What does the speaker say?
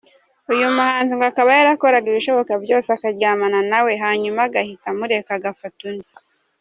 Uyu muhanzi ngo akaba yarakoraga ibishoboka byose akaryamana nawe hanyuma agahita amureka agafata undi.